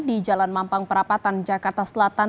di jalan mampang perapatan jakarta selatan